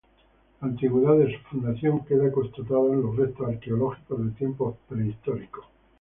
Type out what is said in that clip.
La antigüedad de su fundación queda constatada en los restos arqueológicos de tiempos prehistóricos.